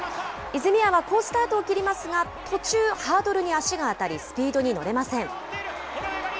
泉谷は好スタートを切りますが、途中、ハードルに足が当たり、スピードに乗れません。